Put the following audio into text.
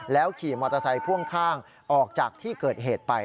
ขี่มอเตอร์ไซค์พ่วงข้างออกจากที่เกิดเหตุไป